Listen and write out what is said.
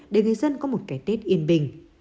để người dân có một cái tết yên bình